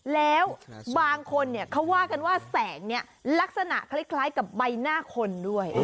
แล้วบางคนเนี่ยเขาว่ากันว่าแสงนี้ลักษณะคล้ายกับใบหน้าคนด้วย